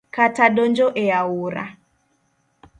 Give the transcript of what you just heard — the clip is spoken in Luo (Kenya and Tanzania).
Kata donjo e aora